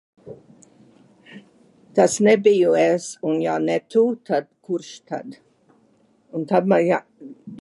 Tas nebiju es, un ja ne tu, tad kurš tad?